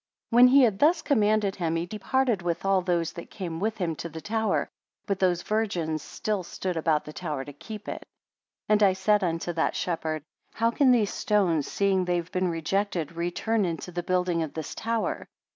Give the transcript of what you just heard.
58 When he had thus commanded him, he departed, with all those that came with him to the tower but those virgins still stood about the tower to keep it. 59 And I said unto that shepherd; How can these stones, seeing they have been rejected, return into the building of this tower?